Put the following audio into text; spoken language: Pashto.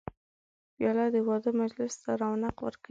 پیاله د واده مجلس ته رونق ورکوي.